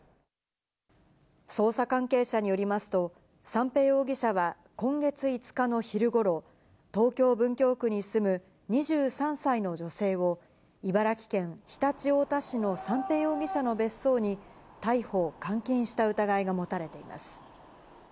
捜査関係者によりますと、三瓶容疑者は今月５日の昼ごろ、東京・文京区に住む２３歳の女性を、茨城県常陸太田市の三瓶容疑者の別荘に、逮捕・監禁した疑いが持たれています。